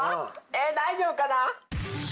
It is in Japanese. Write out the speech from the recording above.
え大丈夫かな？